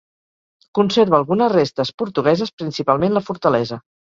Conserva algunes restes portugueses, principalment la fortalesa.